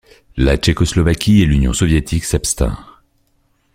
La Tchécoslovaquie et l'Union soviétique s'abstinrent.